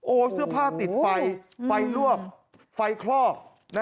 เสื้อผ้าติดไฟไฟลวกไฟคลอก